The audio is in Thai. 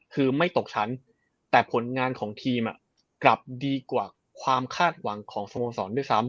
คือไม่ตกชั้นแต่ผลงานของทีมกลับดีกว่าความคาดหวังของสโมสรด้วยซ้ำ